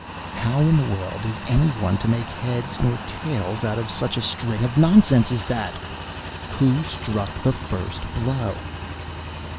How in the world is any one to make head or tail out of such a string of nonsense as that? Who struck the first blow?"